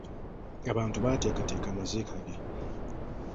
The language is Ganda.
Abantu baateekateeka amaziika ge.